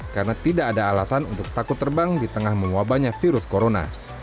karena tidak ada alasan untuk takut terbang di tengah menguabanya virus corona